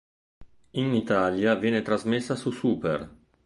In Italia viene trasmessa su Super!